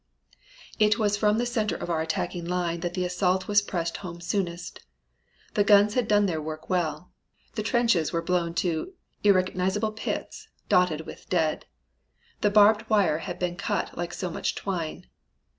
"It was from the center of our attacking line that the assault was pressed home soonest. The guns had done their work well. The trenches were blown to irrecognizable pits dotted with dead. The barbed wire had been cut like so much twine.